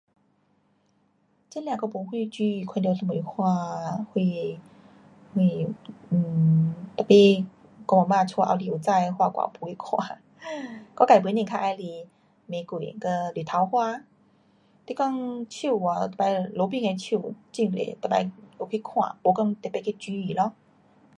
这样我没什注意看到什么花，什，什 [um]tapi 我阿妈家后里种的花我也没去看，我自本身较喜欢玫瑰跟太阳花。你讲树啊，每次路边的树很多，每次有去看，没讲，特别注意咯。